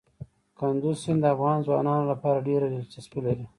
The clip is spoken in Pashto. کندز سیند د افغان ځوانانو لپاره ډېره دلچسپي لري.